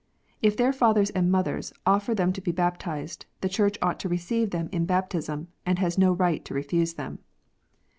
If their fathers and mothers offer them to be baptized, the Church ought to receive them in baptism, and has no right to refuse them.